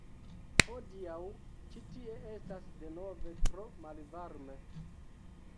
Hodiaŭ ĉi tie estas denove tro malvarme.